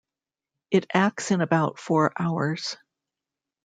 It acts in about four hours.